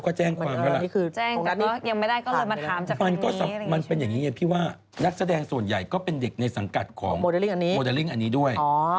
ก็แจ้งความจากโมเดลลิ่งนักแสดงส่วนใหญ่ก็เป็นเด็กในสังกัดของโมเดลลิ่งอันนี้ด้วย